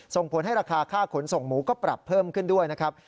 ส่งผลให้ราคาค่าขนส่งหมูก็ปรับเพิ่มขึ้นด้วยนะครับ